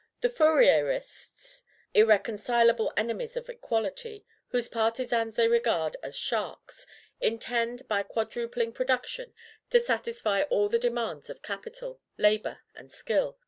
The Fourierists irreconcilable enemies of equality, whose partisans they regard as SHARKS intend, by quadrupling production, to satisfy all the demands of capital, labor, and skill.